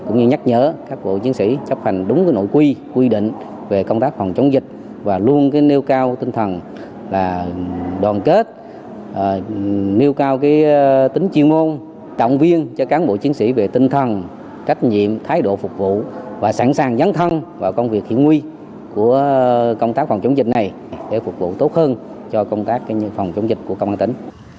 nhiệm vụ của công tác phòng chống dịch này để phục vụ tốt hơn cho công tác phòng chống dịch của công an tỉnh